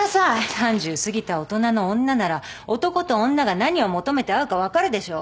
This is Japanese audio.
３０過ぎた大人の女なら男と女が何を求めて会うか分かるでしょう？